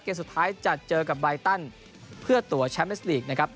สุดท้ายจะเจอกับไบตันเพื่อตัวแชมป์เอสลีกนะครับ